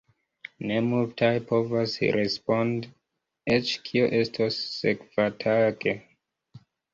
Ne multaj povas respondi eĉ kio estos sekvatage.